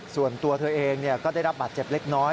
ส่วนตัวเธอเองก็ได้รับบาดเจ็บเล็กน้อย